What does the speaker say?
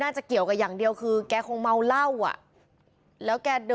ง่าจะเกี่ยวกับอย่างเดียวคือแกคงเมาเหล้าอะ